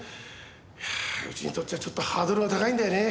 いやあうちにとっちゃちょっとハードルが高いんだよね。